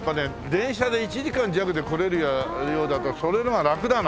電車で１時間弱で来れるようだったらそれの方がラクだな。